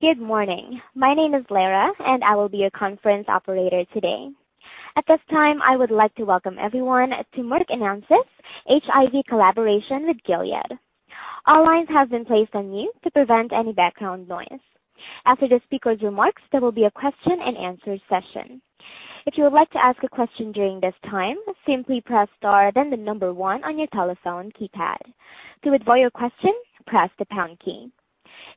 Good morning. My name is Lara, and I will be your conference operator today. At this time, I would like to welcome everyone to Merck Announces HIV Collaboration with Gilead. All lines have been placed on mute to prevent any background noise. After the speakers' remarks, there will be a question and answer session. If you would like to ask a question during this time, simply press star then the number one on your telephone keypad. To withdraw your question, press the pound key.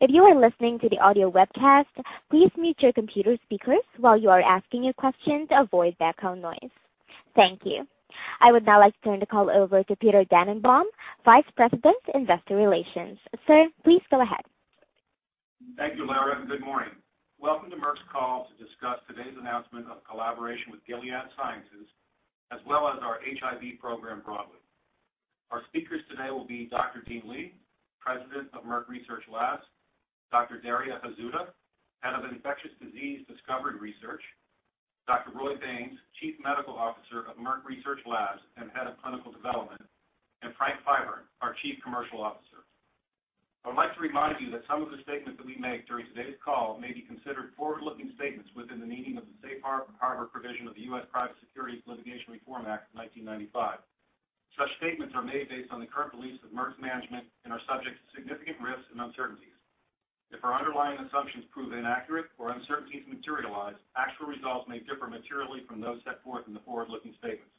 If you are listening to the audio webcast, please mute your computer speakers while you are asking your question to avoid background noise. Thank you. I would now like to turn the call over to Peter Dannenbaum, Vice President, Investor Relations. Sir, please go ahead. Thank you, Lara. Good morning. Welcome to Merck's call to discuss today's announcement of collaboration with Gilead Sciences, as well as our HIV program broadly. Our speakers today will be Dr. Dean Li, President of Merck Research Labs, Dr. Daria Hazuda, Head of Infectious Disease Discovery Research, Dr. Roy Baynes, Chief Medical Officer of Merck Research Labs and Head of Clinical Development, and Frank Clyburn, our Chief Commercial Officer. I would like to remind you that some of the statements that we make during today's call may be considered forward-looking statements within the meaning of the safe harbor provision of the U.S. Private Securities Litigation Reform Act of 1995. Such statements are made based on the current beliefs of Merck's management and are subject to significant risks and uncertainties. If our underlying assumptions prove inaccurate or uncertainties materialize, actual results may differ materially from those set forth in the forward-looking statements.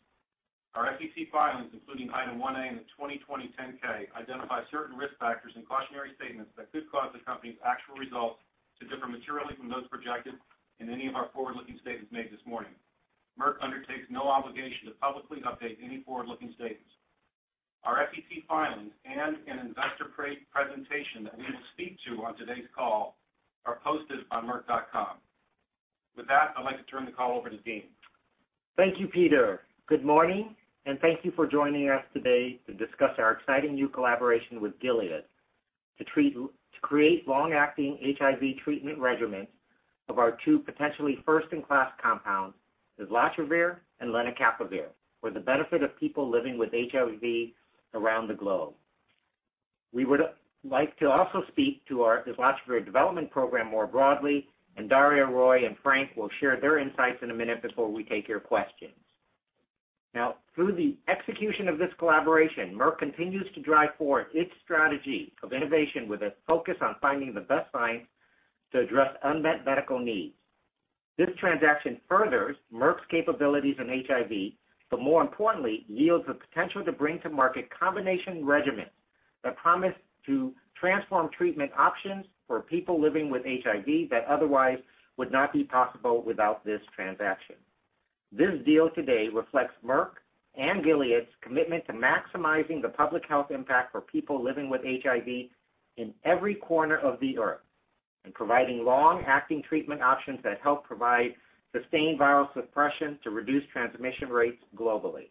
Our SEC filings, including Item 1A in the 2020 10-K, identify certain risk factors and cautionary statements that could cause the company's actual results to differ materially from those projected in any of our forward-looking statements made this morning. Merck undertakes no obligation to publicly update any forward-looking statements. Our SEC filings and an investor presentation that we will speak to on today's call are posted on merck.com. With that, I'd like to turn the call over to Dean. Thank you, Peter. Good morning, and thank you for joining us today to discuss our exciting new collaboration with Gilead to create long-acting HIV treatment regimens of our two potentially first-in-class compounds, islatravir and lenacapavir, for the benefit of people living with HIV around the globe. We would like to also speak to our islatravir development program more broadly, and Daria, Roy, and Frank will share their insights in a minute before we take your questions. Now, through the execution of this collaboration, Merck continues to drive forward its strategy of innovation with a focus on finding the best science to address unmet medical needs. This transaction furthers Merck's capabilities in HIV, but more importantly, yields the potential to bring to market combination regimens that promise to transform treatment options for people living with HIV that otherwise would not be possible without this transaction. This deal today reflects Merck and Gilead's commitment to maximizing the public health impact for people living with HIV in every corner of the Earth and providing long-acting treatment options that help provide sustained viral suppression to reduce transmission rates globally.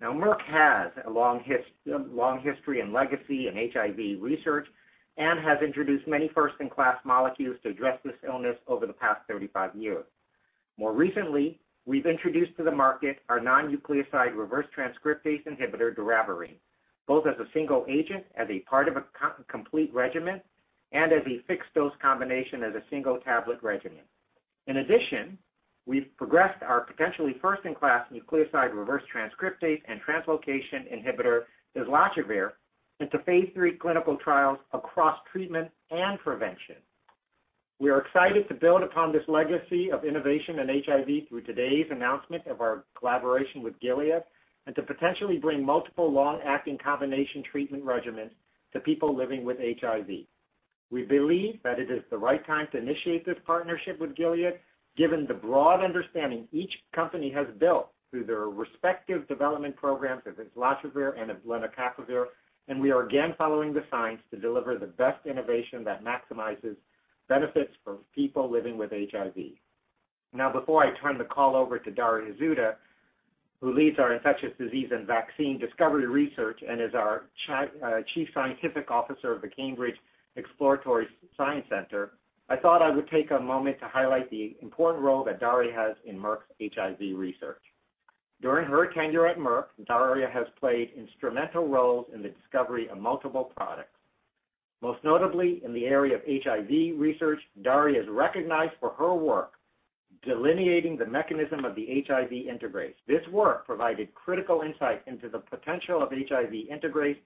Now, Merck has a long history and legacy in HIV research and has introduced many first-in-class molecules to address this illness over the past 35 years. More recently, we've introduced to the market our non-nucleoside reverse transcriptase inhibitor, doravirine, both as a single agent, as a part of a complete regimen, and as a fixed-dose combination as a single-tablet regimen. In addition, we've progressed our potentially first-in-class nucleoside reverse transcriptase and translocation inhibitor, islatravir, into phase III clinical trials across treatment and prevention. We are excited to build upon this legacy of innovation in HIV through today's announcement of our collaboration with Gilead and to potentially bring multiple long-acting combination treatment regimens to people living with HIV. We believe that it is the right time to initiate this partnership with Gilead, given the broad understanding each company has built through their respective development programs of islatravir and of lenacapavir, and we are again following the science to deliver the best innovation that maximizes benefits for people living with HIV. Now, before I turn the call over to Daria Hazuda, who leads our infectious disease and vaccine discovery research and is our Chief Scientific Officer of the Cambridge Exploratory Science Center, I thought I would take a moment to highlight the important role that Daria has in Merck's HIV research. During her tenure at Merck, Daria has played instrumental roles in the discovery of multiple products. Most notably in the area of HIV research, Daria is recognized for her work delineating the mechanism of the HIV integrase. This work provided critical insight into the potential of HIV integrase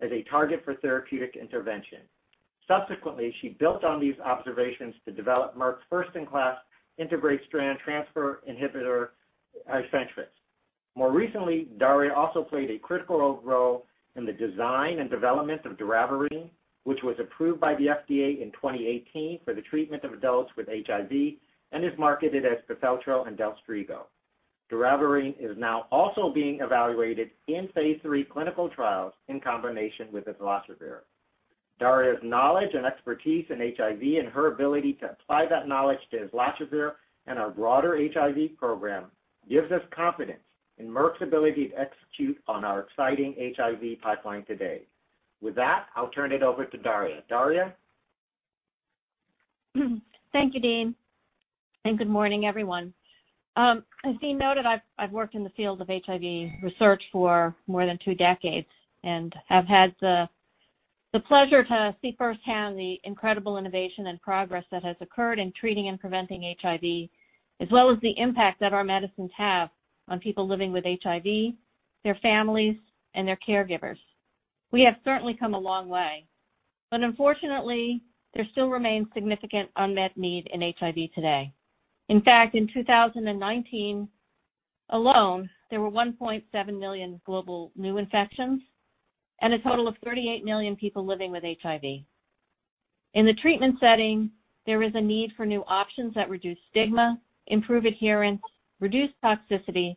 as a target for therapeutic intervention. Subsequently, she built on these observations to develop Merck's first-in-class integrase strand transfer inhibitor, raltegravir. More recently, Daria also played a critical role in the design and development of doravirine, which was approved by the FDA in 2018 for the treatment of adults with HIV and is marketed as PIFELTRO and DELSTRIGO. doravirine is now also being evaluated in phase III clinical trials in combination with islatravir. Daria's knowledge and expertise in HIV and her ability to apply that knowledge to islatravir and our broader HIV program gives us confidence in Merck's ability to execute on our exciting HIV pipeline today. With that, I'll turn it over to Daria. Daria? Thank you, Dean. Good morning, everyone. As Dean noted, I've worked in the field of HIV research for more than two decades, and I've had the pleasure to see firsthand the incredible innovation and progress that has occurred in treating and preventing HIV, as well as the impact that our medicines have on people living with HIV, their families, and their caregivers. We have certainly come a long way, but unfortunately, there still remains significant unmet need in HIV today. In fact, in 2019 alone, there were 1.7 million global new infections and a total of 38 million people living with HIV. In the treatment setting, there is a need for new options that reduce stigma, improve adherence, reduce toxicity,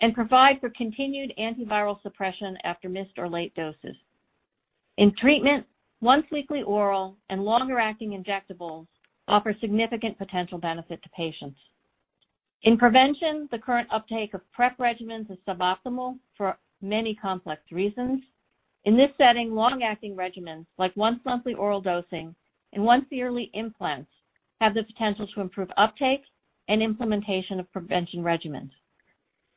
and provide for continued antiviral suppression after missed or late doses. In treatment, once-weekly oral and longer-acting injectables offer significant potential benefit to patients. In prevention, the current uptake of PrEP regimens is suboptimal for many complex reasons. In this setting, long-acting regimens like once-monthly oral dosing and once-yearly implants have the potential to improve uptake and implementation of prevention regimens.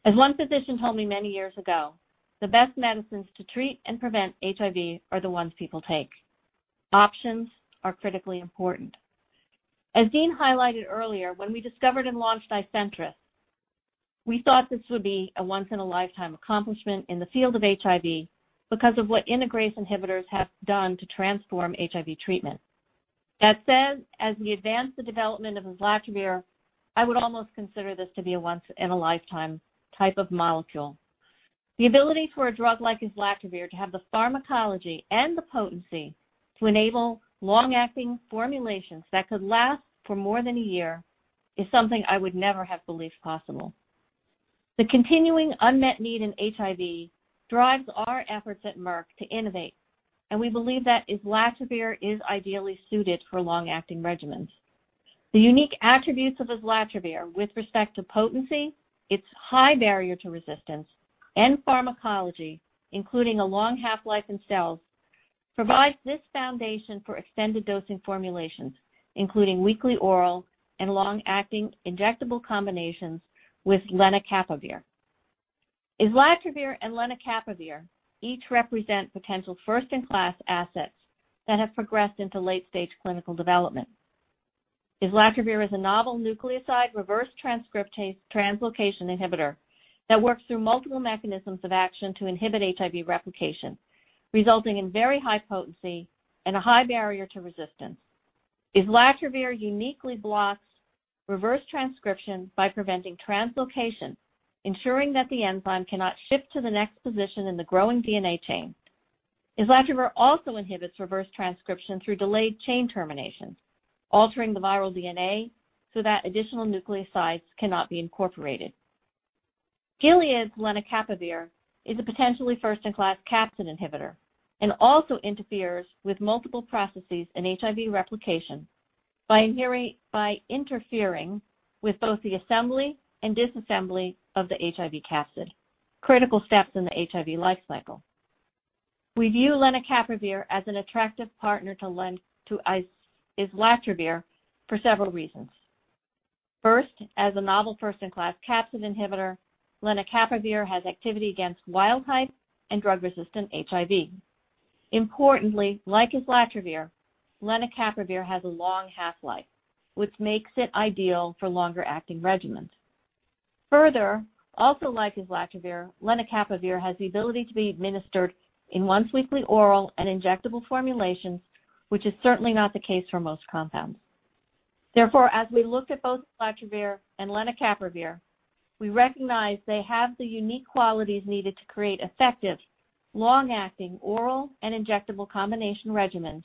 As one physician told me many years ago, "The best medicines to treat and prevent HIV are the ones people take." Options are critically important. As Dean highlighted earlier, when we discovered and launched ISENTRESS, we thought this would be a once-in-a-lifetime accomplishment in the field of HIV because of what integrase inhibitors have done to transform HIV treatment. That said, as we advance the development of islatravir, I would almost consider this to be a once-in-a-lifetime type of molecule. The ability for a drug like islatravir to have the pharmacology and the potency to enable long-acting formulations that could last for more than a year is something I would never have believed possible. The continuing unmet need in HIV drives our efforts at Merck to innovate, and we believe that islatravir is ideally suited for long-acting regimens. The unique attributes of islatravir with respect to potency, its high barrier to resistance, and pharmacology, including a long half-life in cells, provides this foundation for extended dosing formulations, including weekly oral and long-acting injectable combinations with lenacapavir. Islatravir and lenacapavir each represent potential first-in-class assets that have progressed into late-stage clinical development. Islatravir is a novel nucleoside reverse translocation inhibitor that works through multiple mechanisms of action to inhibit HIV replication, resulting in very high potency and a high barrier to resistance. islatravir uniquely blocks reverse transcription by preventing translocation, ensuring that the enzyme cannot shift to the next position in the growing DNA chain. islatravir also inhibits reverse transcription through delayed chain termination, altering the viral DNA so that additional nucleosides cannot be incorporated. Gilead's lenacapavir is a potentially first-in-class capsid inhibitor and also interferes with multiple processes in HIV replication by interfering with both the assembly and disassembly of the HIV capsid, critical steps in the HIV life cycle. We view lenacapavir as an attractive partner to islatravir for several reasons. First, as a novel first-in-class capsid inhibitor, lenacapavir has activity against wild type and drug-resistant HIV. Importantly, like islatravir, lenacapavir has a long half-life, which makes it ideal for longer-acting regimens. Further, also like islatravir, lenacapavir has the ability to be administered in once-weekly oral and injectable formulations, which is certainly not the case for most compounds. As we looked at both islatravir and lenacapavir, we recognized they have the unique qualities needed to create effective long-acting oral and injectable combination regimens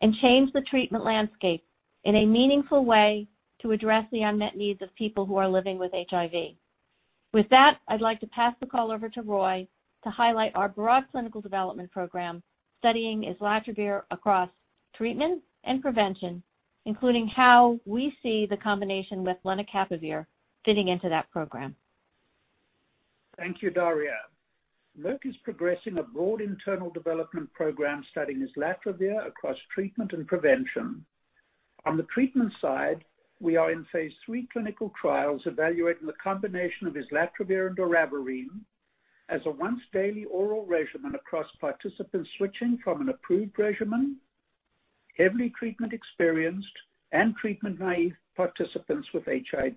and change the treatment landscape in a meaningful way to address the unmet needs of people who are living with HIV. With that, I'd like to pass the call over to Roy to highlight our broad clinical development program studying islatravir across treatment and prevention, including how we see the combination with lenacapavir fitting into that program. Thank you, Daria. Merck is progressing a broad internal development program studying islatravir across treatment and prevention. On the treatment side, we are in phase III clinical trials evaluating the combination of islatravir and doravirine as a once-daily oral regimen across participants switching from an approved regimen, heavily treatment experienced, and treatment-naive participants with HIV.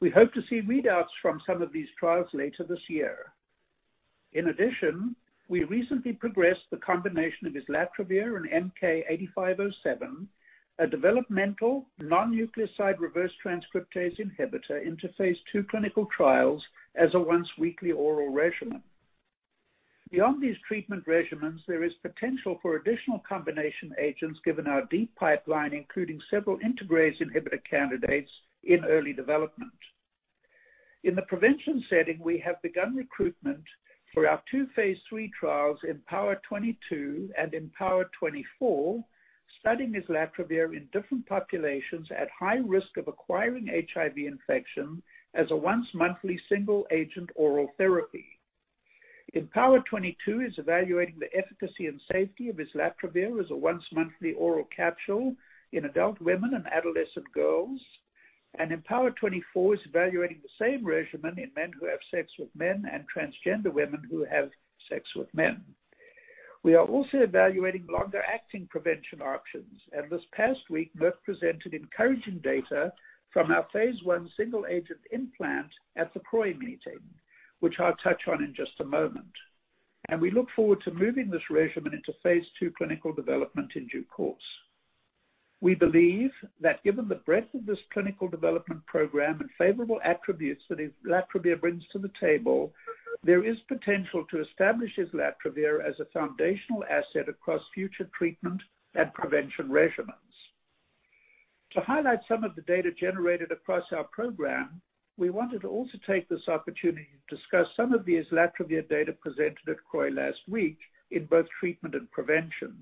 We hope to see readouts from some of these trials later this year. We recently progressed the combination of islatravir and MK-8507, a developmental non-nucleoside reverse transcriptase inhibitor, into phase II clinical trials as a once-weekly oral regimen. Beyond these treatment regimens, there is potential for additional combination agents given our deep pipeline, including several integrase inhibitor candidates in early development. In the prevention setting, we have begun recruitment for our two phase III trials, IMPOWER 22 and IMPOWER 24, studying islatravir in different populations at high risk of acquiring HIV infection as a once-monthly single agent oral therapy. IMPOWER 22 is evaluating the efficacy and safety of islatravir as a once-monthly oral capsule in adult women and adolescent girls, IMPOWER 24 is evaluating the same regimen in men who have sex with men and transgender women who have sex with men. We are also evaluating longer-acting prevention options, this past week, Merck presented encouraging data from our phase I single-agent implant at the CROI meeting, which I'll touch on in just a moment. We look forward to moving this regimen into phase II clinical development in due course. We believe that given the breadth of this clinical development program and favorable attributes that islatravir brings to the table, there is potential to establish islatravir as a foundational asset across future treatment and prevention regimens. To highlight some of the data generated across our program, we wanted to also take this opportunity to discuss some of the islatravir data presented at CROI last week in both treatment and prevention.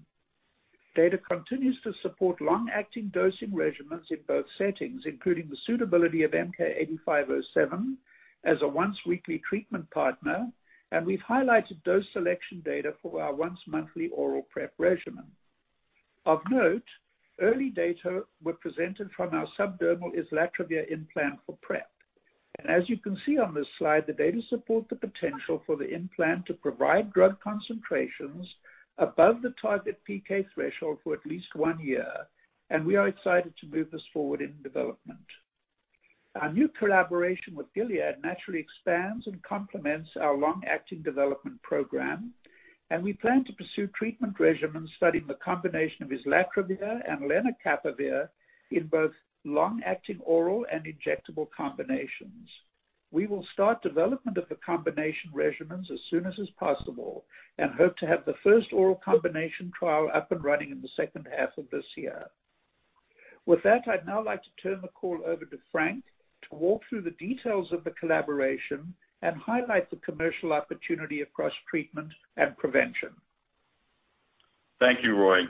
Data continues to support long-acting dosing regimens in both settings, including the suitability of MK-8507 as a once-weekly treatment partner, and we've highlighted dose selection data for our once-monthly oral PrEP regimen. Of note, early data were presented from our subdermal islatravir implant for PrEP. As you can see on this slide, the data support the potential for the implant to provide drug concentrations above the target PK threshold for at least one year, and we are excited to move this forward in development. Our new collaboration with Gilead naturally expands and complements our long-acting development program, and we plan to pursue treatment regimens studying the combination of islatravir and lenacapavir in both long-acting oral and injectable combinations. We will start development of the combination regimens as soon as possible and hope to have the first oral combination trial up and running in the second half of this year. With that, I'd now like to turn the call over to Frank to walk through the details of the collaboration and highlight the commercial opportunity across treatment and prevention. Thank you, Roy.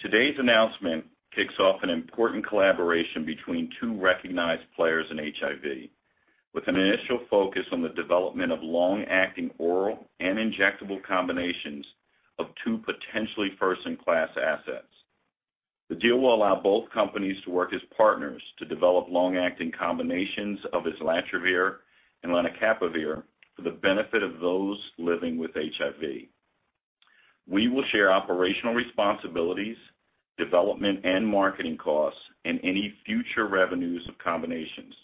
Today's announcement kicks off an important collaboration between two recognized players in HIV, with an initial focus on the development of long-acting oral and injectable combinations of two potentially first-in-class assets. The deal will allow both companies to work as partners to develop long-acting combinations of islatravir and lenacapavir for the benefit of those living with HIV. We will share operational responsibilities, development and marketing costs, and any future revenues of combinations.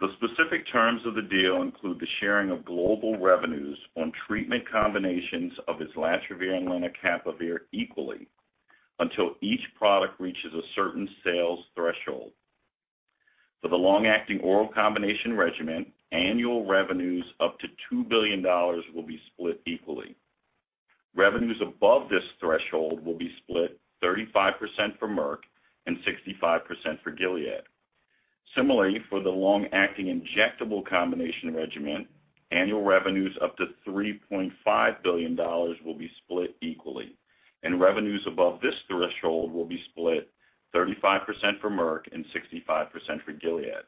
The specific terms of the deal include the sharing of global revenues on treatment combinations of islatravir and lenacapavir equally until each product reaches a certain sales threshold. For the long-acting oral combination regimen, annual revenues up to $2 billion will be split equally. Revenues above this threshold will be split 35% for Merck and 65% for Gilead. Similarly, for the long-acting injectable combination regimen, annual revenues up to $3.5 billion will be split equally, and revenues above this threshold will be split 35% for Merck and 65% for Gilead.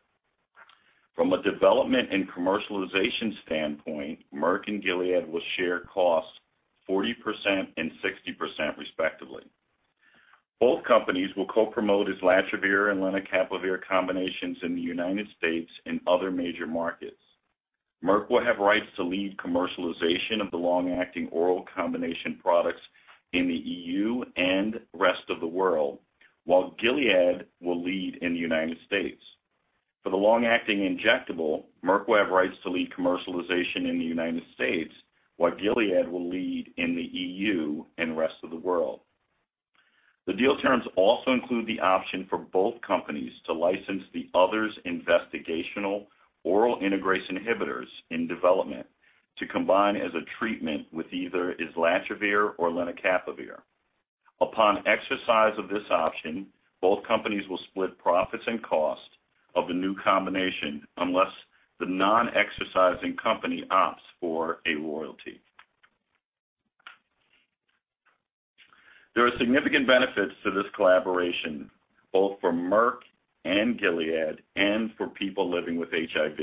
From a development and commercialization standpoint, Merck and Gilead will share costs 40% and 60%, respectively. Both companies will co-promote islatravir and lenacapavir combinations in the United States and other major markets. Merck will have rights to lead commercialization of the long-acting oral combination products in the EU and rest of the world, while Gilead will lead in the United States. For the long-acting injectable, Merck will have rights to lead commercialization in the United States, while Gilead will lead in the EU and rest of the world. The deal terms also include the option for both companies to license the other's investigational oral integrase inhibitors in development to combine as a treatment with either islatravir or lenacapavir. Upon exercise of this option, both companies will split profits and costs of the new combination unless the non-exercising company opts for a royalty. There are significant benefits to this collaboration, both for Merck and Gilead and for people living with HIV,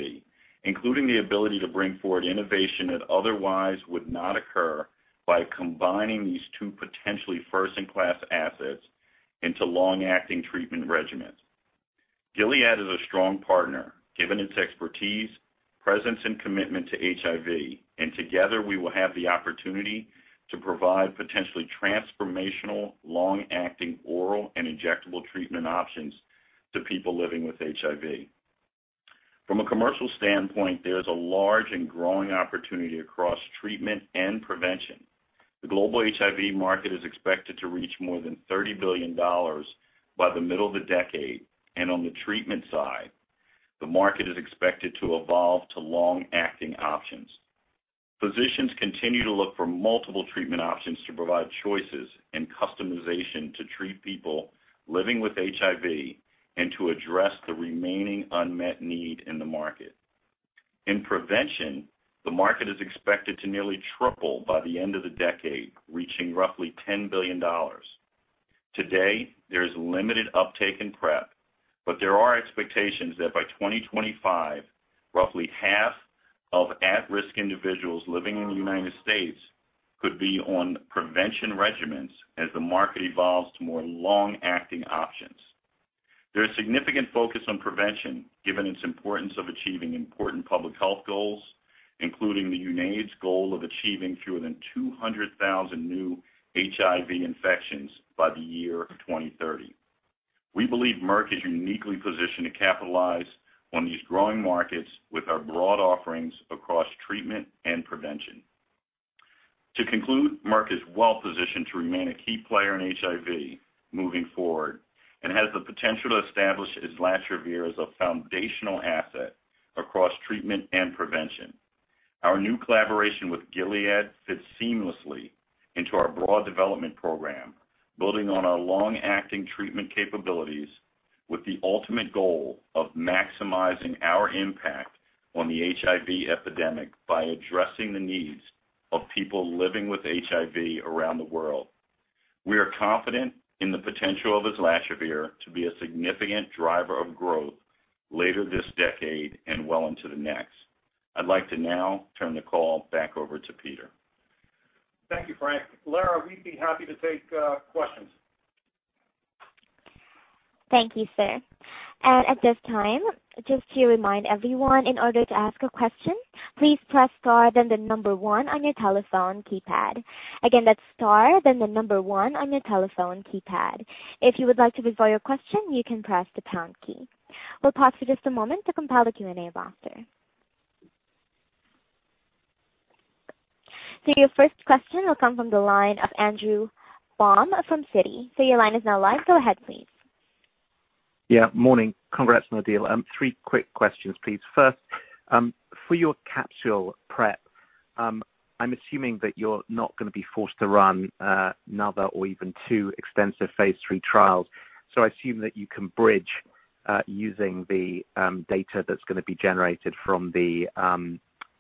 including the ability to bring forward innovation that otherwise would not occur by combining these two potentially first-in-class assets into long-acting treatment regimens. Gilead is a strong partner, given its expertise, presence, and commitment to HIV, and together we will have the opportunity to provide potentially transformational long-acting oral and injectable treatment options to people living with HIV. From a commercial standpoint, there is a large and growing opportunity across treatment and prevention. The global HIV market is expected to reach more than $30 billion by the middle of the decade, and on the treatment side, the market is expected to evolve to long-acting options. Physicians continue to look for multiple treatment options to provide choices and customization to treat people living with HIV and to address the remaining unmet need in the market. In prevention, the market is expected to nearly triple by the end of the decade, reaching roughly $10 billion. Today, there is limited uptake in PrEP, but there are expectations that by 2025, roughly half of at-risk individuals living in the United States could be on prevention regimens as the market evolves to more long-acting options. There is significant focus on prevention, given its importance of achieving important public health goals, including the UNAIDS goal of achieving fewer than 200,000 new HIV infections by the year 2030. We believe Merck is uniquely positioned to capitalize on these growing markets with our broad offerings across treatment and prevention. To conclude, Merck is well-positioned to remain a key player in HIV moving forward and has the potential to establish islatravir as a foundational asset across treatment and prevention. Our new collaboration with Gilead fits seamlessly into our broad development program, building on our long-acting treatment capabilities with the ultimate goal of maximizing our impact on the HIV epidemic by addressing the needs of people living with HIV around the world. We are confident in the potential of islatravir to be a significant driver of growth later this decade and well into the next. I'd like to now turn the call back over to Peter. Thank you, Frank. Lara, we'd be happy to take questions. Thank you, sir. At this time, just to remind everyone, in order to ask a question, please press star, then the number one on your telephone keypad. Again, that's star, then the number one on your telephone keypad. If you would like to withdraw your question, you can press the pound key. We'll pause for just a moment to compile the Q&A roster. Your first question will come from the line of Andrew Baum from Citi. Your line is now live. Go ahead, please. Yeah, morning. Congrats on the deal. Three quick questions, please. First, for your capsule PrEP, I'm assuming that you're not going to be forced to run another or even two extensive phase III trials. I assume that you can bridge using the data that's going to be generated from the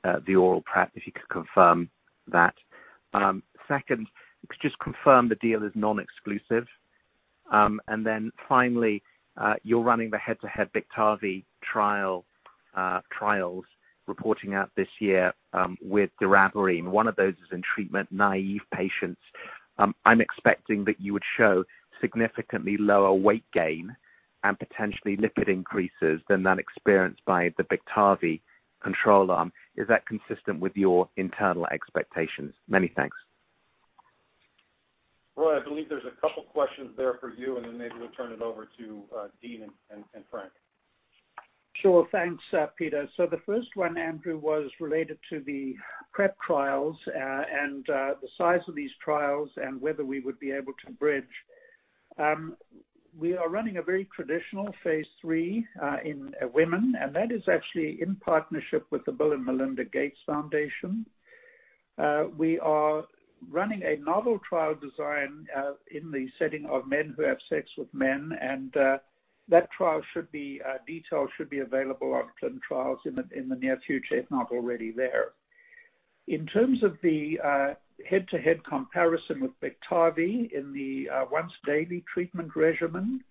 oral PrEP, if you could confirm that. Second, could you just confirm the deal is non-exclusive? Finally, you're running the head-to-head BIKTARVY trials reporting out this year with doravirine. One of those is in treatment-naive patients. I'm expecting that you would show significantly lower weight gain and potentially lipid increases than that experienced by the BIKTARVY control arm. Is that consistent with your internal expectations? Many thanks. Roy, I believe there's a couple questions there for you, and then maybe we'll turn it over to Dean and Frank. Sure. Thanks, Peter. The first one, Andrew, was related to the PrEP trials and the size of these trials and whether we would be able to bridge. We are running a very traditional phase III in women, and that is actually in partnership with the Bill & Melinda Gates Foundation. We are running a novel trial design in the setting of men who have sex with men, and that trial should be detailed, should be available on clinical trials in the near future, if not already there. In terms of the head-to-head comparison with Biktarvy in the once-daily treatment regimen,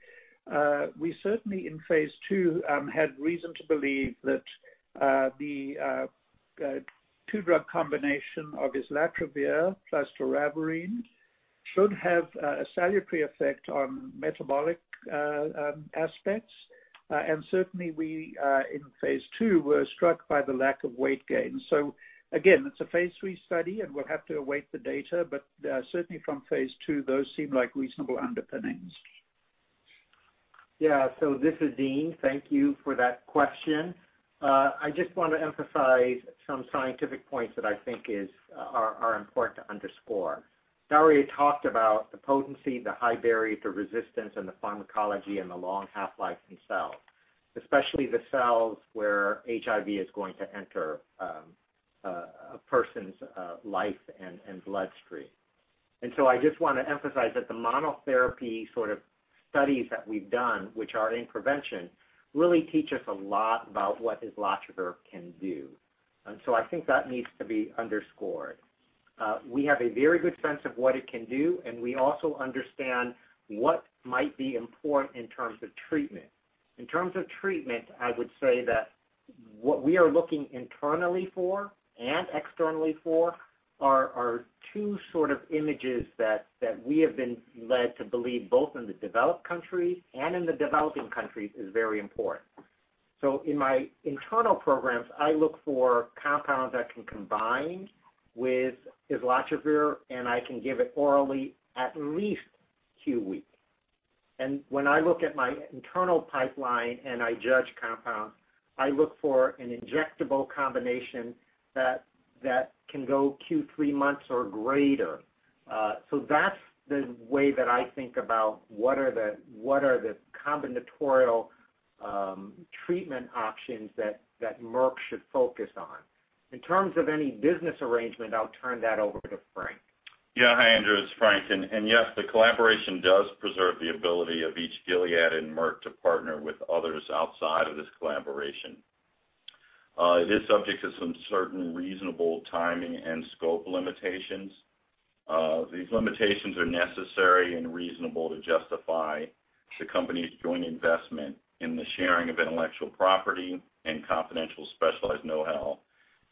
we certainly in phase II had reason to believe that the two-drug combination of islatravir plus doravirine should have a salutary effect on metabolic aspects. Certainly we, in phase II, were struck by the lack of weight gain. Again, it's a phase III study, and we'll have to await the data. Certainly from phase II, those seem like reasonable underpinnings. Yeah. This is Dean. Thank you for that question. I just want to emphasize some scientific points that I think are important to underscore. We had talked about the potency, the high barrier to resistance, and the pharmacology, and the long half-life in cells, especially the cells where HIV is going to enter a person's life and bloodstream. I just want to emphasize that the monotherapy sort of studies that we've done, which are in prevention, really teach us a lot about what islatravir can do. I think that needs to be underscored. We have a very good sense of what it can do, and we also understand what might be important in terms of treatment. In terms of treatment, I would say that what we are looking internally for and externally for are two sort of images that we have been led to believe, both in the developed countries and in the developing countries, is very important. In my internal programs, I look for compounds that can combine with islatravir, and I can give it orally at least two a week. When I look at my internal pipeline and I judge compounds, I look for an injectable combination that can go two, three months or greater. That's the way that I think about what are the combinatorial treatment options that Merck should focus on. In terms of any business arrangement, I'll turn that over to Frank. Yeah. Hi, Andrew, it's Frank. Yes, the collaboration does preserve the ability of each Gilead and Merck to partner with others outside of this collaboration. It is subject to some certain reasonable timing and scope limitations. These limitations are necessary and reasonable to justify the company's joint investment in the sharing of intellectual property and confidential specialized know-how,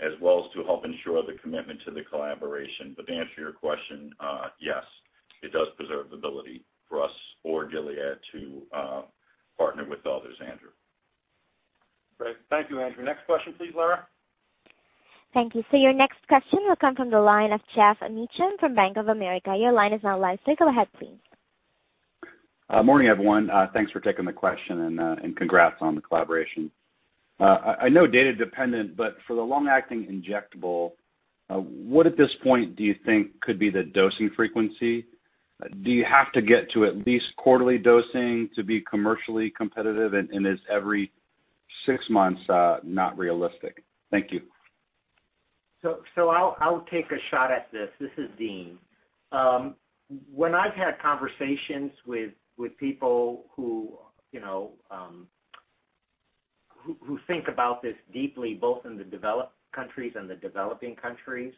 as well as to help ensure the commitment to the collaboration. To answer your question, yes, it does preserve the ability for us or Gilead to partner with others, Andrew. Great. Thank you, Andrew. Next question please, Lara. Thank you. Your next question will come from the line of Geoff Meacham from Bank of America. Your line is now live, so go ahead please. Morning, everyone. Thanks for taking the question, and congrats on the collaboration. I know data dependent, but for the long-acting injectable, what at this point do you think could be the dosing frequency? Do you have to get to at least quarterly dosing to be commercially competitive, and is every six months not realistic? Thank you. I'll take a shot at this. This is Dean. When I've had conversations with people who think about this deeply, both in the developed countries and the developing countries,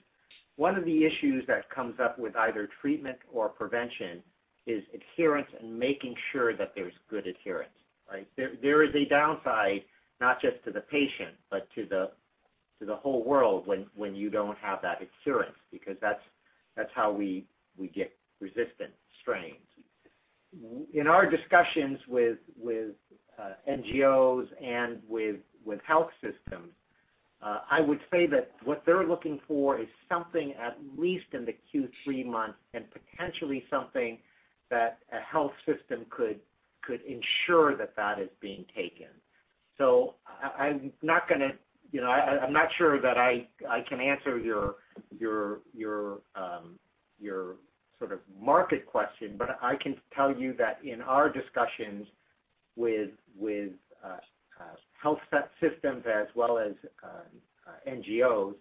one of the issues that comes up with either treatment or prevention is adherence and making sure that there's good adherence, right? There is a downside, not just to the patient, but to the whole world when you don't have that adherence, because that's how we get resistant strains. In our discussions with NGOs and with health systems, I would say that what they're looking for is something at least in the Q3 months and potentially something that a health system could ensure that that is being taken. I'm not sure that I can answer your sort of market question, but I can tell you that in our discussions with health systems as well as NGOs,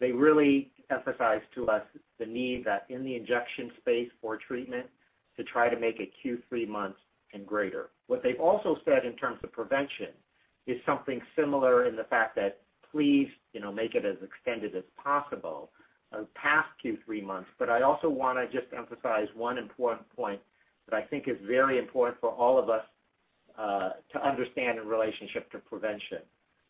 they really emphasize to us the need that in the injection space for treatment to try to make it Q3 months and greater. What they've also said in terms of prevention is something similar in the fact that please make it as extended as possible, past Q3 months. I also want to just emphasize one important point that I think is very important for all of us to understand in relationship to prevention.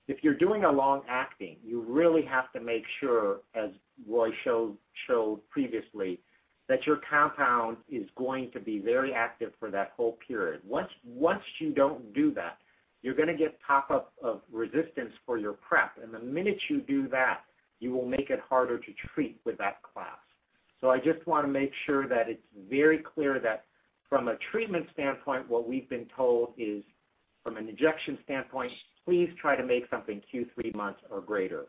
If you're doing a long-acting, you really have to make sure, as Roy showed previously, that your compound is going to be very active for that whole period. Once you don't do that, you're going to get pop up of resistance for your PrEP, and the minute you do that, you will make it harder to treat with that class. I just want to make sure that it's very clear that from a treatment standpoint, what we've been told is from an injection standpoint, please try to make something Q3 months or greater.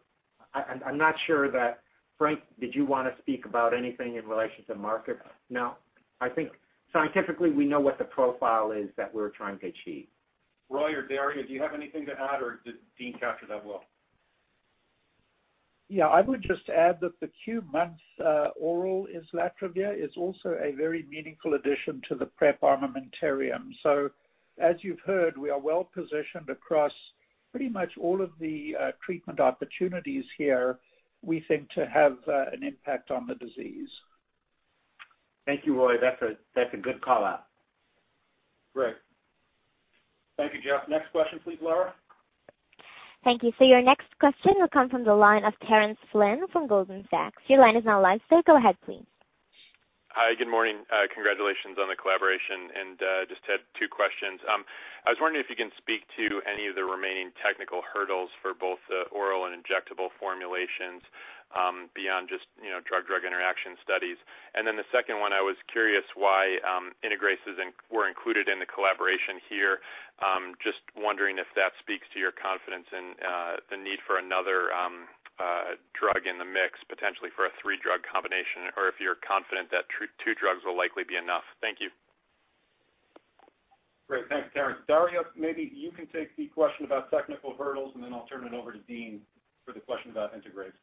I'm not sure that, Frank, did you want to speak about anything in relation to market? No. I think scientifically we know what the profile is that we're trying to achieve. Roy or Daria, do you have anything to add, or did Dean capture that well? Yeah, I would just add that the Q months oral islatravir is also a very meaningful addition to the PrEP armamentarium. As you've heard, we are well-positioned across pretty much all of the treatment opportunities here we think to have an impact on the disease. Thank you, Roy. That's a good call-out. Great. Thank you, Geoff. Next question please, Lara. Thank you. Your next question will come from the line of Terence Flynn from Goldman Sachs. Your line is now live, so go ahead please. Hi, good morning. Congratulations on the collaboration, just had two questions. I was wondering if you can speak to any of the remaining technical hurdles for both oral and injectable formulations beyond just drug-drug interaction studies. The second one, I was curious why integrases were included in the collaboration here. Just wondering if that speaks to your confidence in the need for another drug in the mix, potentially for a three-drug combination, or if you're confident that two drugs will likely be enough. Thank you. Great. Thanks, Terence. Daria, maybe you can take the question about technical hurdles, and then I'll turn it over to Dean for the question about integrase.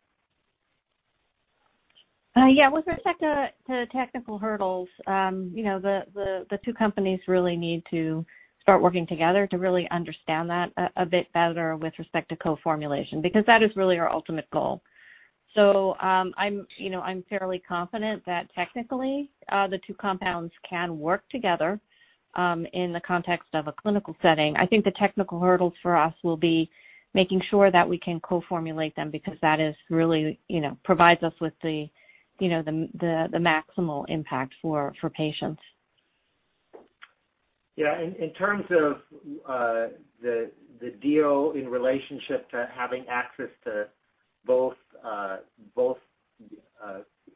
Yeah. With respect to technical hurdles, the two companies really need to start working together to really understand that a bit better with respect to co-formulation, because that is really our ultimate goal. I'm fairly confident that technically the two compounds can work together in the context of a clinical setting. I think the technical hurdles for us will be making sure that we can co-formulate them because that really provides us with the maximal impact for patients. Yeah, in terms of the deal in relationship to having access to both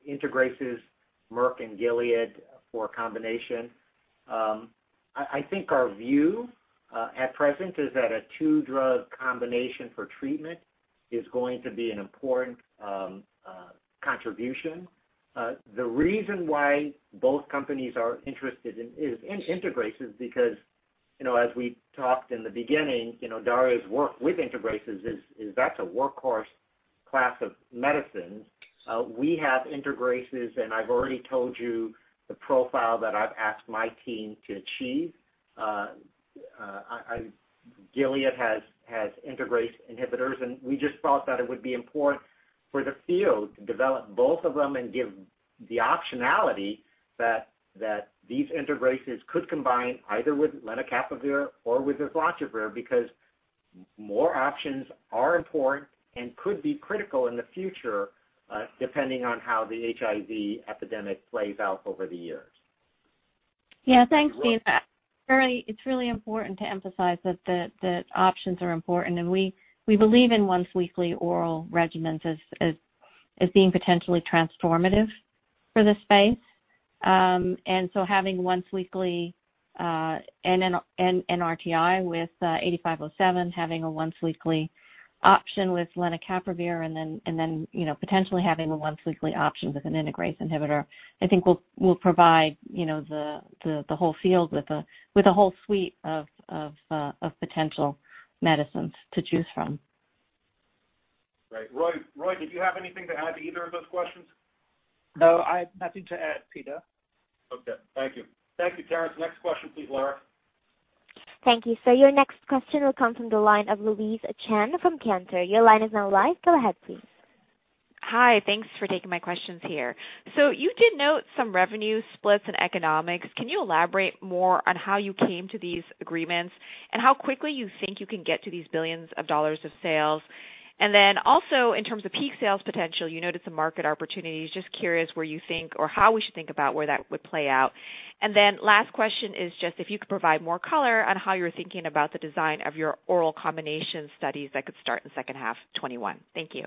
integrases, Merck and Gilead for a combination, I think our view at present is that a two-drug combination for treatment is going to be an important contribution. The reason why both companies are interested in integrases, because as we talked in the beginning, Daria's work with integrases is that's a workhorse Class of medicines. We have integrases, and I've already told you the profile that I've asked my team to achieve. Gilead has integrase inhibitors, and we just thought that it would be important for the field to develop both of them and give the optionality that these integrases could combine either with lenacapavir or with islatravir, because more options are important and could be critical in the future, depending on how the HIV epidemic plays out over the years. Yeah, thanks, Dean. It's really important to emphasize that options are important, and we believe in once-weekly oral regimens as being potentially transformative for this space. Having once-weekly NRTI with MK-8507, having a once-weekly option with lenacapavir, and then potentially having a once-weekly option with an integrase inhibitor, I think will provide the whole field with a whole suite of potential medicines to choose from. Right. Roy, did you have anything to add to either of those questions? No, I have nothing to add, Peter. Okay. Thank you, Terence. Next question, please, Lara. Thank you. Your next question will come from the line of Louise Chen from Cantor. Your line is now live. Go ahead, please. Hi. Thanks for taking my questions here. You did note some revenue splits and economics. Can you elaborate more on how you came to these agreements and how quickly you think you can get to these billions of dollars of sales? Also in terms of peak sales potential, you noted some market opportunities. Just curious where you think or how we should think about where that would play out. Last question is just if you could provide more color on how you're thinking about the design of your oral combination studies that could start in second half 2021. Thank you.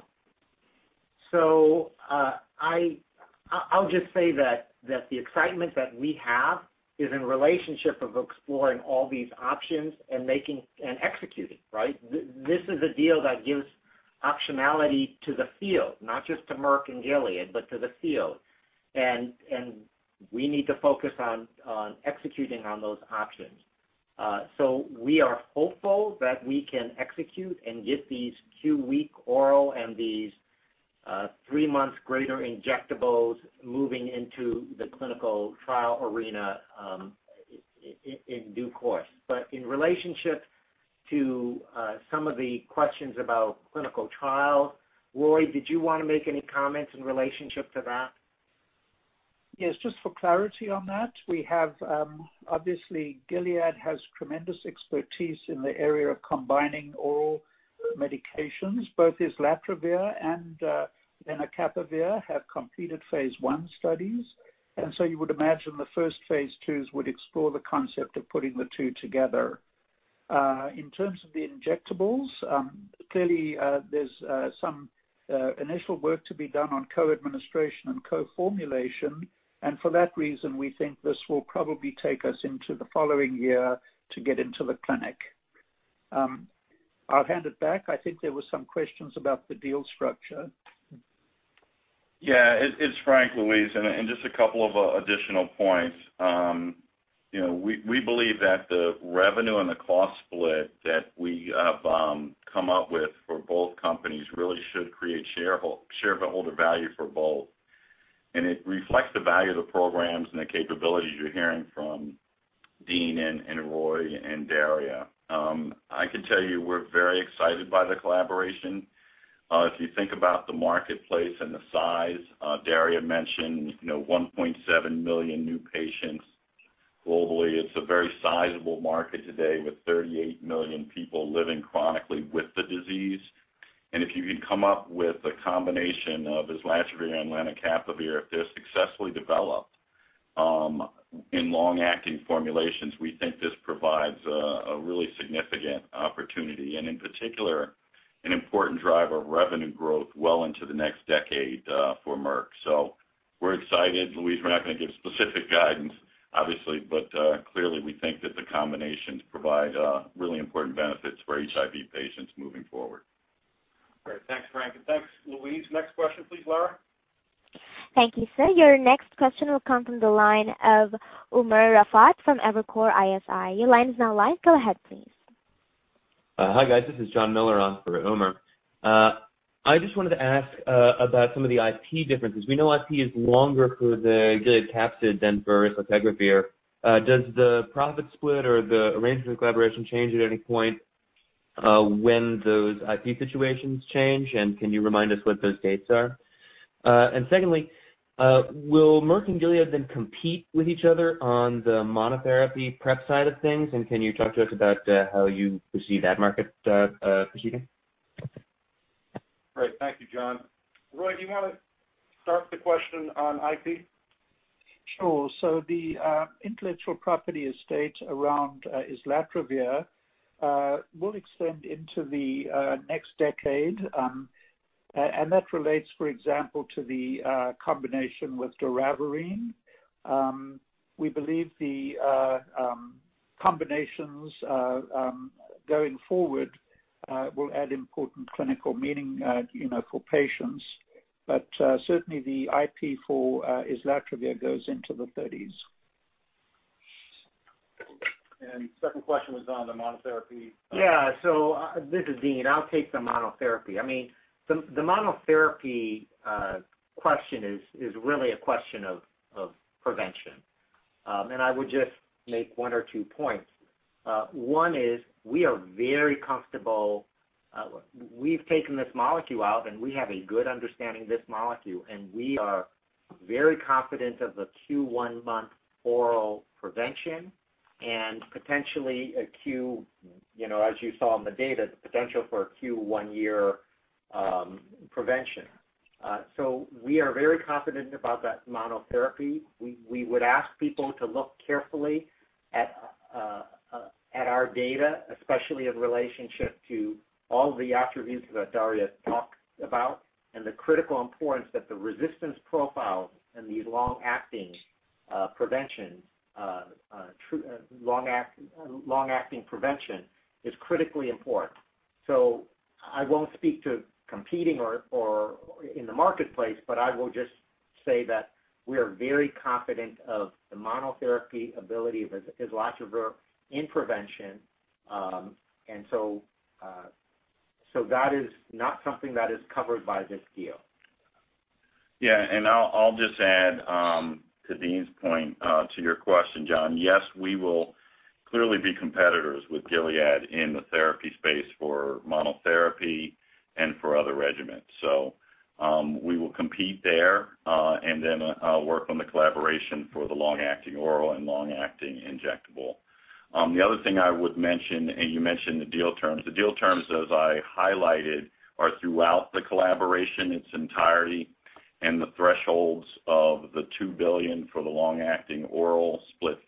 I'll just say that the excitement that we have is in relationship of exploring all these options and executing, right? This is a deal that gives optionality to the field, not just to Merck and Gilead, but to the field. We need to focus on executing on those options. We are hopeful that we can execute and get these Q-week oral and these three-month greater injectables moving into the clinical trial arena in due course. In relationship to some of the questions about clinical trial, Roy, did you want to make any comments in relationship to that? Yes, just for clarity on that, obviously, Gilead has tremendous expertise in the area of combining oral medications. Both islatravir and lenacapavir have completed phase I studies, you would imagine the first phase IIs would explore the concept of putting the two together. In terms of the injectables, clearly, there's some initial work to be done on co-administration and co-formulation, for that reason, we think this will probably take us into the following year to get into the clinic. I'll hand it back. I think there were some questions about the deal structure. Yeah, it's Frank, Louise, and just a couple of additional points. We believe that the revenue and the cost split that we have come up with for both companies really should create shareholder value for both. It reflects the value of the programs and the capabilities you're hearing from Dean and Roy and Daria. I can tell you we're very excited by the collaboration. If you think about the marketplace and the size, Daria mentioned 1.7 million new patients globally. It's a very sizable market today with 38 million people living chronically with the disease. If you can come up with a combination of islatravir and lenacapavir, if they're successfully developed in long-acting formulations, we think this provides a really significant opportunity and, in particular, an important driver of revenue growth well into the next decade for Merck. We're excited, Louise. We're not going to give specific guidance, obviously, but clearly, we think that the combinations provide really important benefits for HIV patients moving forward. Great. Thanks, Frank, and thanks, Louise. Next question, please, Lara. Thank you, sir. Your next question will come from the line of Umer Raffat from Evercore ISI. Your line is now live. Go ahead, please. Hi, guys. This is Jonathan Miller on for Umer. I just wanted to ask about some of the IP differences. We know IP is longer for the Gilead capsid than for islatravir. Does the profit split or the arrangement of collaboration change at any point when those IP situations change, and can you remind us what those dates are? Secondly, will Merck and Gilead then compete with each other on the monotherapy PrEP side of things, and can you talk to us about how you perceive that market proceeding? Great. Thank you, John. Roy, do you want to start the question on IP? Sure. The intellectual property estate around islatravir will extend into the next decade, and that relates, for example, to the combination with doravirine. We believe the combinations going forward will add important clinical meaning for patients. Certainly the IP for islatravir goes into the 30s. Second question was on the monotherapy. Yeah. This is Dean. I'll take the monotherapy. The monotherapy question is really a question of prevention. I would just make one or two points. One is we are very comfortable. We've taken this molecule out, and we have a good understanding of this molecule, and we are very confident of the Q1-month oral prevention and potentially, as you saw in the data, the potential for a Q1-year prevention. We are very confident about that monotherapy. We would ask people to look carefully at our data, especially in relationship to all the attributes that Daria talked about and the critical importance that the resistance profile and these long-acting prevention is critically important. I won't speak to competing or in the marketplace, but I will just say that we are very confident of the monotherapy ability of islatravir in prevention. That is not something that is covered by this deal. Yeah, and I'll just add to Dean's point to your question, John. Yes, we will clearly be competitors with Gilead in the therapy space for monotherapy and for other regimens. We will compete there and then work on the collaboration for the long-acting oral and long-acting injectable. The other thing I would mention, and you mentioned the deal terms. The deal terms, as I highlighted, are throughout the collaboration, its entirety, and the thresholds of the $2 billion for the long-acting oral split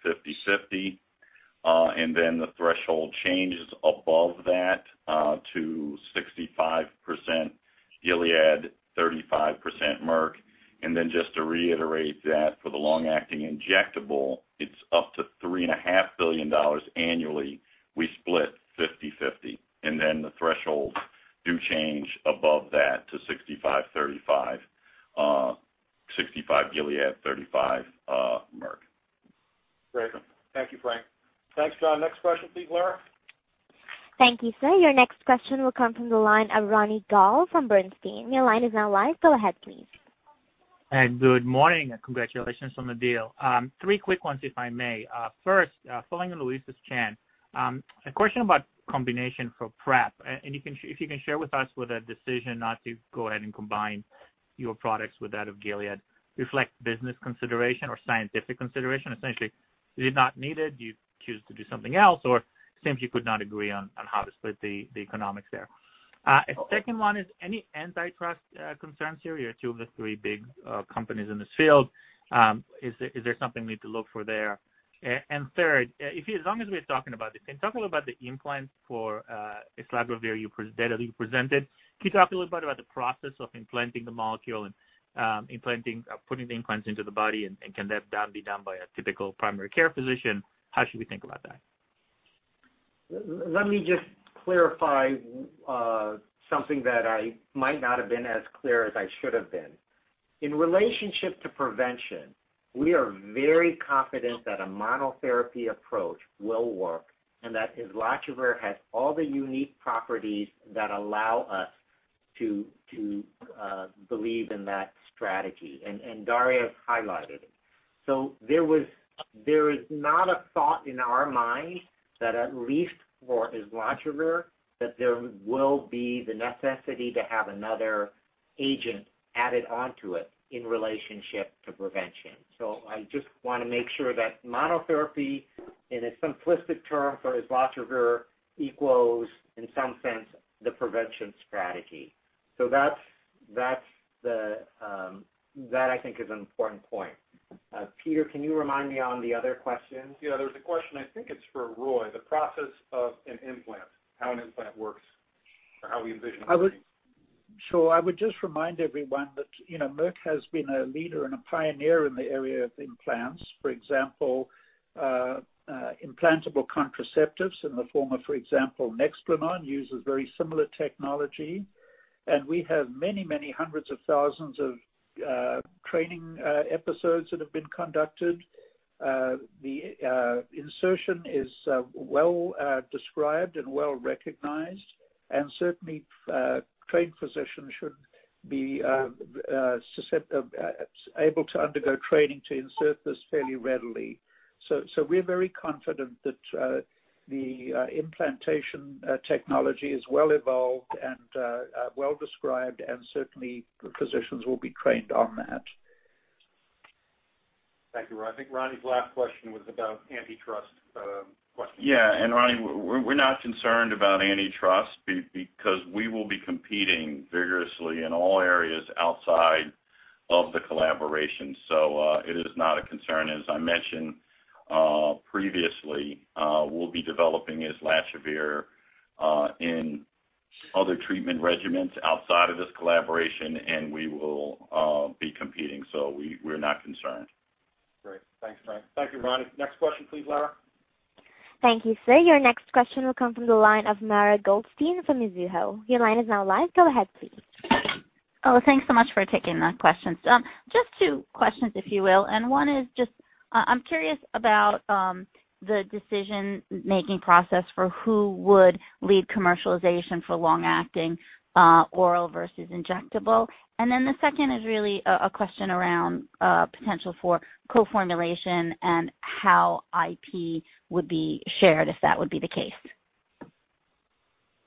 50/50. The threshold changes above that to 65% Gilead, 35% Merck. Just to reiterate that for the long-acting injectable, it's up to $3.5 billion annually. We split 50/50. The thresholds do change above that to 65/35, 65 Gilead, 35 Merck. Great. Thank you, Frank. Thanks, John. Next question, please, Lara. Thank you, sir. Your next question will come from the line of Ronny Gal from Bernstein. Your line is now live. Go ahead, please. Good morning, and congratulations on the deal. Three quick ones, if I may. First, following Louise Chen's, a question about combination for PrEP. If you can share with us with a decision not to go ahead and combine your products with that of Gilead, reflect business consideration or scientific consideration. Essentially, is it not needed? Do you choose to do something else, or simply could not agree on how to split the economics there? Second one is any antitrust concerns here? You're two of the three big companies in this field. Is there something we need to look for there? Third, as long as we're talking about this, can you talk a little about the implant for islatravir data that you presented? Can you talk a little bit about the process of implanting the molecule and putting the implants into the body, and can that be done by a typical primary care physician? How should we think about that? Let me just clarify something that I might not have been as clear as I should have been. In relationship to prevention, we are very confident that a monotherapy approach will work and that islatravir has all the unique properties that allow us to believe in that strategy, and Daria highlighted it. There is not a thought in our mind that, at least for islatravir, that there will be the necessity to have another agent added onto it in relationship to prevention. I just want to make sure that monotherapy, in a simplistic term for islatravir, equals, in some sense, the prevention strategy. That I think is an important point. Peter, can you remind me on the other questions? Yeah, there's a question. I think it's for Roy, the process of an implant, how an implant works or how we envision it working. I would just remind everyone that Merck has been a leader and a pioneer in the area of implants. For example, implantable contraceptives in the form of, for example, Nexplanon, uses very similar technology, and we have many, many hundreds of thousands of training episodes that have been conducted. The insertion is well-described and well-recognized, and certainly trained physicians should be able to undergo training to insert this fairly readily. We're very confident that the implantation technology is well-evolved and well-described, and certainly physicians will be trained on that. Thank you, Roy. I think Ronny's last question was about antitrust question. Yeah, Ronny, we're not concerned about antitrust because we will be competing vigorously in all areas outside of the collaboration. It is not a concern. As I mentioned previously, we'll be developing islatravir in other treatment regimens outside of this collaboration, and we will be competing. We're not concerned. Great. Thanks, Frank. Thank you, Ronny. Next question, please, Lara. Thank you, sir. Your next question will come from the line of Mara Goldstein from Mizuho. Your line is now live. Go ahead, please. Oh, thanks so much for taking my questions. Just two questions, if you will. One is, I'm curious about the decision-making process for who would lead commercialization for long-acting oral versus injectable. The second is really a question around potential for co-formulation and how IP would be shared if that would be the case.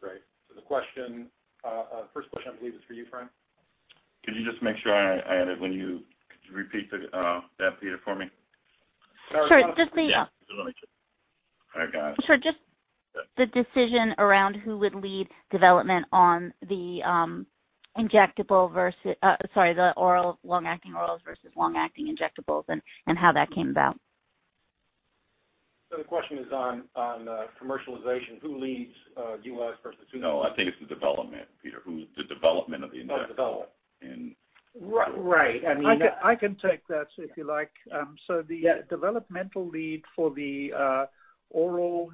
Great. The first question, I believe, is for you, Frank. Could you repeat that, Peter, for me? Sure. Yeah. All right, got it. Sure. Just the decision around who would lead development on the oral long-acting orals versus long-acting injectables and how that came about. The question is on commercialization, who leads U.S. versus who-. No, I think it's the development, Peter, who's the development of the injectable. Oh, development. In Right. I mean- I can take that if you like. The developmental lead for the oral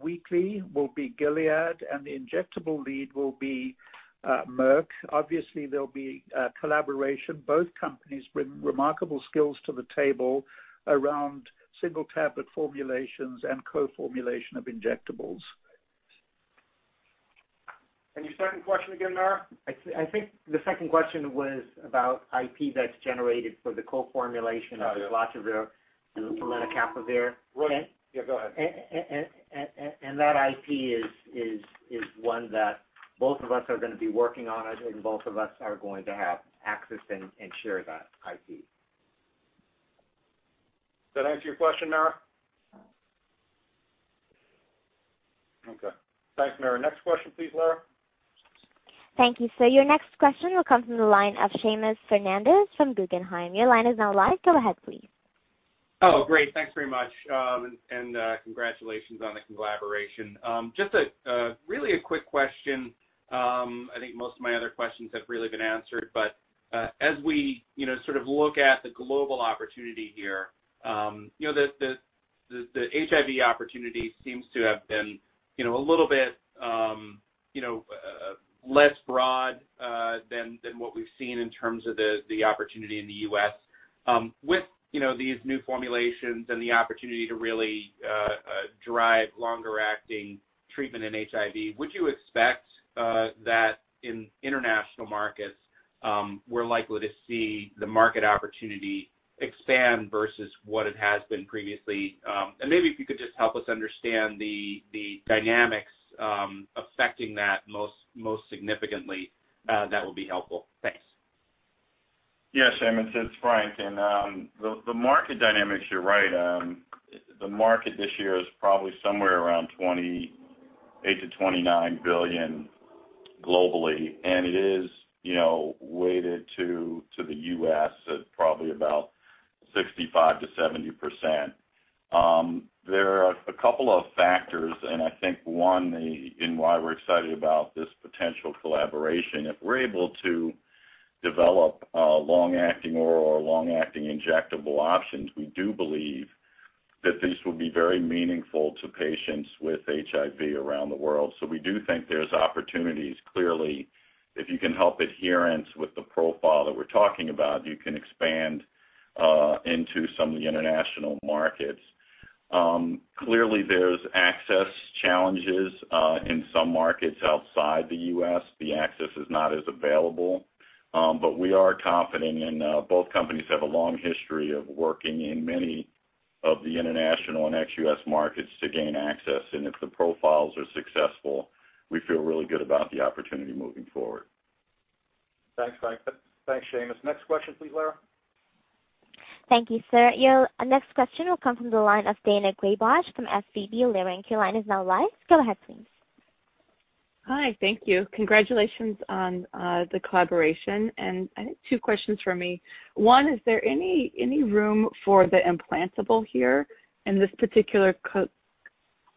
weekly will be Gilead, and the injectable lead will be Merck. Obviously, there'll be a collaboration. Both companies bring remarkable skills to the table around single-tablet formulations and co-formulation of injectables. Your second question again, Mara? I think the second question was about IP that's generated for the co-formulation of dolutegravir and lenacapavir. Right. Yeah, go ahead. That IP is one that both of us are going to be working on it, and both of us are going to have access and share that IP. Does that answer your question, Mara? Okay. Thanks, Mara. Next question, please, Lara. Thank you, sir. Your next question will come from the line of Seamus Fernandez from Guggenheim. Your line is now live. Go ahead, please. Oh, great. Thanks very much. Congratulations on the collaboration. Just really a quick question. I think most of my other questions have really been answered. As we look at the global opportunity here, the HIV opportunity seems to have been a little bit less broad than what we've seen in terms of the opportunity in the U.S. With these new formulations and the opportunity to really drive longer-acting treatment in HIV, would you expect that in international markets, we're likely to see the market opportunity expand versus what it has been previously? Maybe if you could just help us understand the dynamics affecting that most significantly, that would be helpful. Thanks. Yeah, Seamus, it's Frank. The market dynamics, you're right, the market this year is probably somewhere around $28 billion-$29 billion globally, and it is weighted to the U.S. at probably about 65%-70%. There are a couple of factors, and I think one in why we're excited about this potential collaboration, if we're able to develop long-acting oral or long-acting injectable options, we do believe that these will be very meaningful to patients with HIV around the world. We do think there's opportunities. Clearly, if you can help adherence with the profile that we're talking about, you can expand into some of the international markets. Clearly, there's access challenges in some markets outside the U.S., the access is not as available. We are confident, and both companies have a long history of working in many of the international and ex-U.S. markets to gain access. If the profiles are successful, we feel really good about the opportunity moving forward. Thanks, Frank. Thanks, Seamus. Next question, please, Lara. Thank you, sir. Your next question will come from the line of Daina Graybosch from SVB Leerink. Your line is now live. Go ahead, please. Hi, thank you. Congratulations on the collaboration. I think two questions from me. One, is there any room for the implantable here in this particular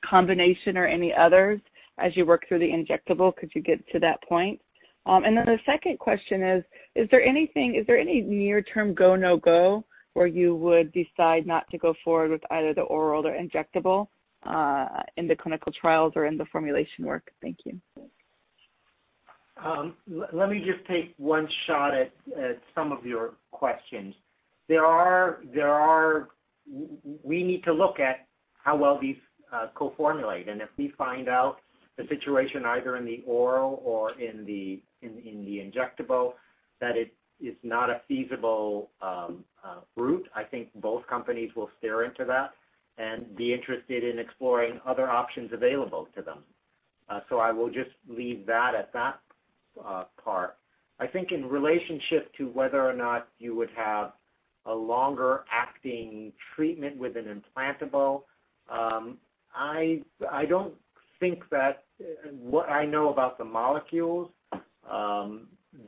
combination or any others as you work through the injectable? Could you get to that point? The second question is there any near-term go, no go where you would decide not to go forward with either the oral or injectable in the clinical trials or in the formulation work? Thank you. Let me just take one shot at some of your questions. We need to look at how well these co-formulate, and if we find out the situation either in the oral or in the injectable, that it is not a feasible route, I think both companies will steer into that and be interested in exploring other options available to them. I will just leave that at that part. I think in relationship to whether or not you would have a longer-acting treatment with an implantable, I don't think that what I know about the molecules,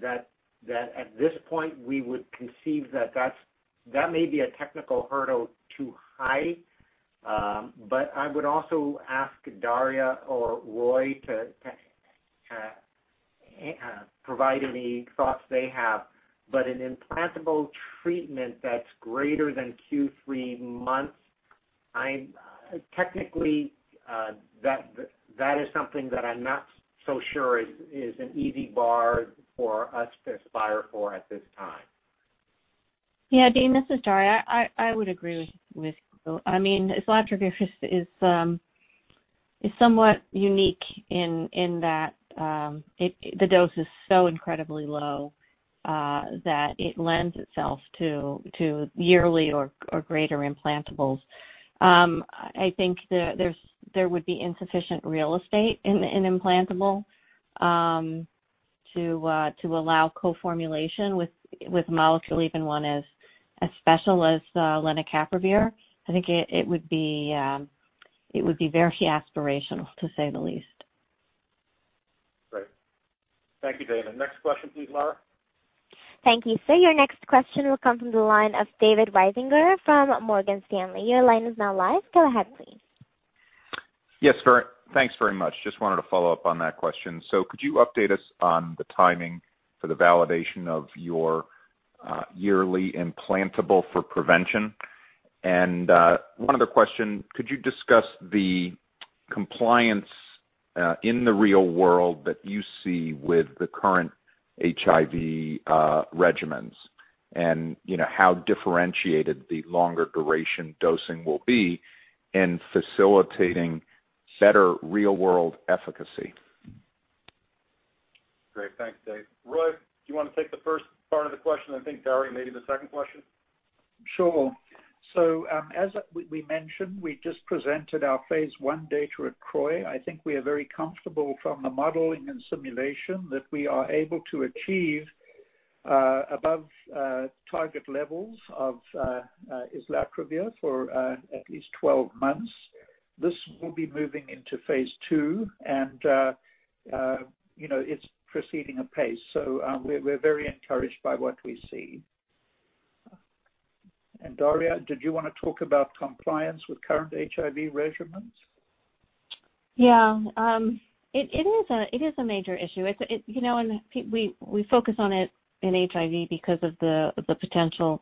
that at this point we would conceive that may be a technical hurdle too high. I would also ask Daria or Roy to provide any thoughts they have. An implantable treatment that's greater than two, three months Technically, that is something that I'm not so sure is an easy bar for us to aspire for at this time. Dean, this is Daria. I would agree with you. Islatravir is somewhat unique in that the dose is so incredibly low that it lends itself to yearly or greater implantables. I think there would be insufficient real estate in an implantable to allow co-formulation with a molecule, even one as special as lenacapavir. I think it would be very aspirational, to say the least. Great. Thank you, Daria. Next question, please, Lara. Thank you, sir. Your next question will come from the line of David Risinger from Morgan Stanley. Your line is now live. Go ahead, please. Yes. Thanks very much. Just wanted to follow up on that question. Could you update us on the timing for the validation of your yearly implantable for prevention? One other question, could you discuss the compliance in the real world that you see with the current HIV regimens and how differentiated the longer duration dosing will be in facilitating better real-world efficacy? Great. Thanks, Dave. Roy, do you want to take the first part of the question and I think Daria maybe the second question? Sure. As we mentioned, we just presented our phase I data at CROI. I think we are very comfortable from the modeling and simulation that we are able to achieve above target levels of islatravir for at least 12 months. This will be moving into phase II and it's proceeding apace. We're very encouraged by what we see. Daria, did you want to talk about compliance with current HIV regimens? Yeah. It is a major issue. We focus on it in HIV because of the potential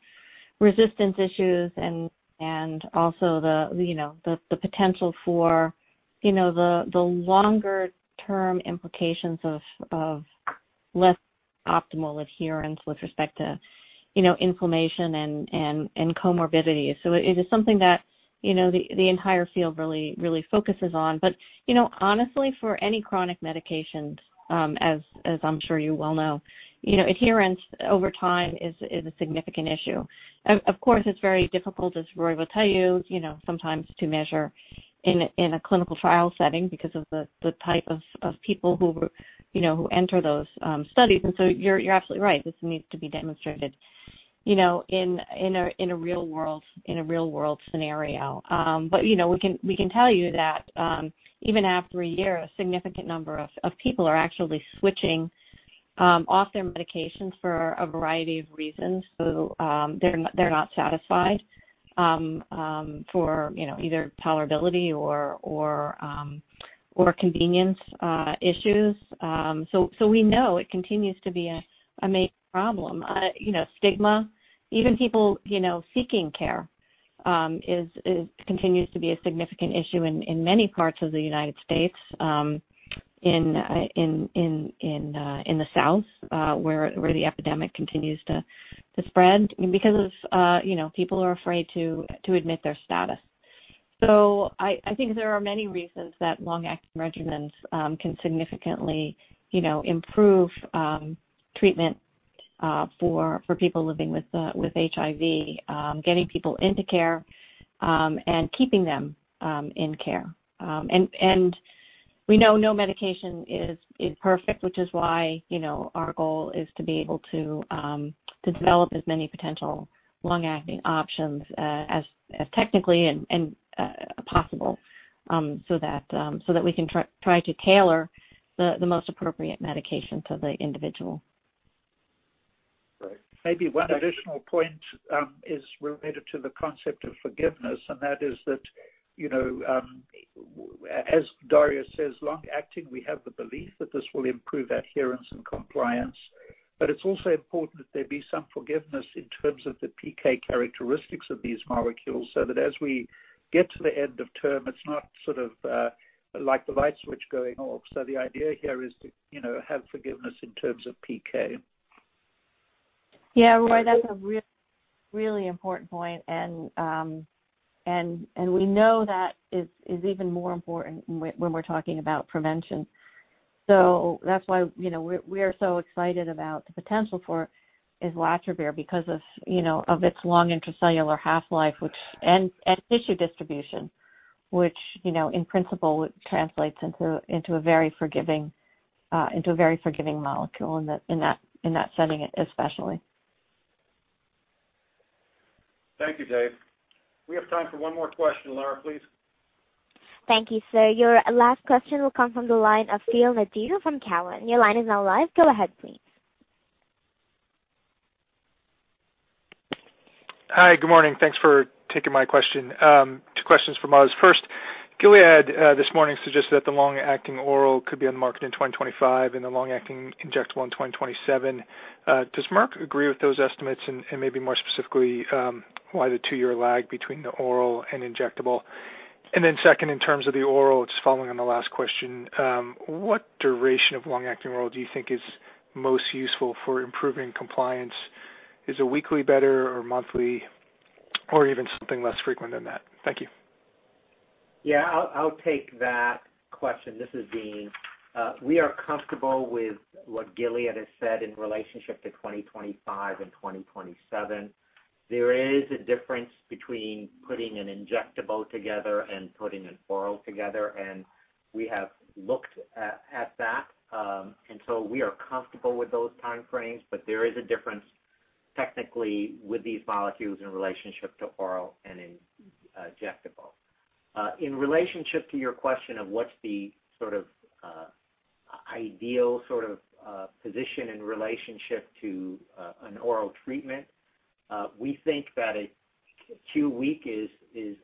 resistance issues and also the potential for the longer-term implications of less optimal adherence with respect to inflammation and comorbidity. It is something that the entire field really focuses on. Honestly, for any chronic medications, as I'm sure you well know, adherence over time is a significant issue. Of course, it's very difficult, as Roy will tell you, sometimes to measure in a clinical trial setting because of the type of people who enter those studies. You're absolutely right. This needs to be demonstrated in a real-world scenario. We can tell you that even after a year, a significant number of people are actually switching off their medications for a variety of reasons. They're not satisfied for either tolerability or convenience issues. We know it continues to be a major problem. Stigma, even people seeking care continues to be a significant issue in many parts of the U.S., in the South, where the epidemic continues to spread and because of people are afraid to admit their status. I think there are many reasons that long-acting regimens can significantly improve treatment for people living with HIV, getting people into care, and keeping them in care. We know no medication is perfect, which is why our goal is to be able to develop as many potential long-acting options as technically possible so that we can try to tailor the most appropriate medication to the individual. Great. Maybe one additional point is related to the concept of forgiveness, and that is that, as Daria says, long-acting, we have the belief that this will improve adherence and compliance, but it's also important that there be some forgiveness in terms of the PK characteristics of these molecules, so that as we get to the end of term, it's not sort of like the light switch going off. The idea here is to have forgiveness in terms of PK. Yeah, Roy, that's a really important point, and we know that is even more important when we're talking about prevention. That's why we're so excited about the potential for islatravir because of its long intracellular half-life and tissue distribution, which in principle translates into a very forgiving molecule in that setting especially. Thank you, Dave. We have time for one more question. Lara, please. Thank you, sir. Your last question will come from the line of Phil Nadeau from Cowen. Your line is now live. Go ahead, please. Hi, good morning. Thanks for taking my question. Two questions for Moz. First, Gilead, this morning, suggested that the long-acting oral could be on the market in 2025 and the long-acting injectable in 2027. Does Merck agree with those estimates? Maybe more specifically, why the two-year lag between the oral and injectable? Second, in terms of the oral, it's following on the last question, what duration of long-acting oral do you think is most useful for improving compliance? Is a weekly better, or monthly, or even something less frequent than that? Thank you. Yeah, I'll take that question. This is Dean. We are comfortable with what Gilead has said in relationship to 2025 and 2027. There is a difference between putting an injectable together and putting an oral together, and we have looked at that. We are comfortable with those time frames. There is a difference technically with these molecules in relationship to oral and injectable. In relationship to your question of what's the sort of, ideal sort of position in relationship to an oral treatment, we think that a q-week is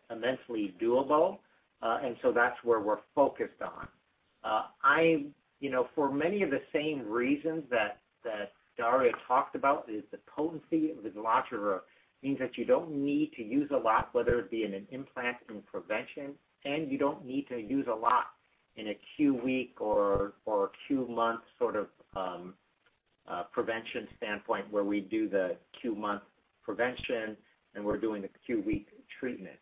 immensely doable. That's where we're focused on. For many of the same reasons that Daria talked about, is the potency of islatravir means that you don't need to use a lot, whether it be in an implant, in prevention, and you don't need to use a lot in a q-week or a q-month sort of prevention standpoint, where we do the q-month prevention and we're doing the q-week treatment.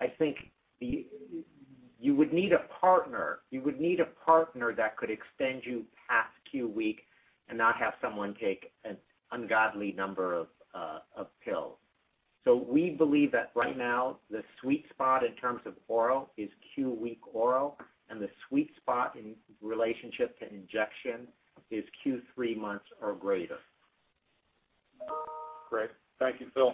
I think you would need a partner that could extend you past q-week and not have someone take an ungodly number of pills. We believe that right now the sweet spot in terms of oral is q-week oral, and the sweet spot in relationship to injection is q-three months or greater. Great. Thank you, Phil.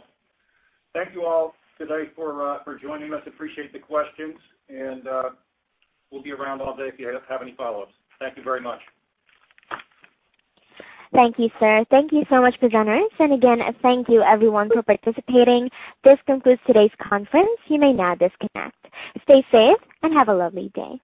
Thank you all today for joining us. Appreciate the questions, and we'll be around all day if you have any follow-ups. Thank you very much. Thank you, sir. Thank you so much, presenters. Again, thank you everyone for participating. This concludes today's conference. You may now disconnect. Stay safe and have a lovely day.